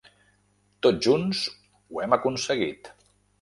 Tots junts ho hem aconseguit.